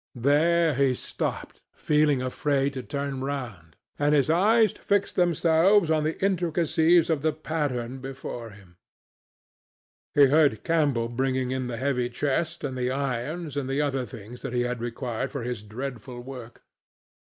There he stopped, feeling afraid to turn round, and his eyes fixed themselves on the intricacies of the pattern before him. He heard Campbell bringing in the heavy chest, and the irons, and the other things that he had required for his dreadful work.